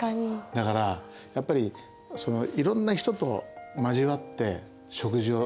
だからやっぱりいろんな人と交わって食事を楽しむ。